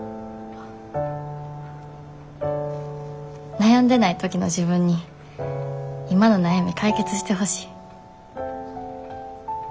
悩んでない時の自分に今の悩み解決してほしい。